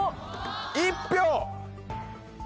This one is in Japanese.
１票。